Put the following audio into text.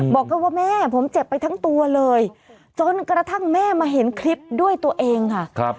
แค่ว่าแม่ผมเจ็บไปทั้งตัวเลยจนกระทั่งแม่มาเห็นคลิปด้วยตัวเองค่ะ